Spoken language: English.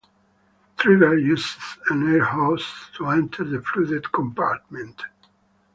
Trigger uses an air hose to enter the flooded compartment.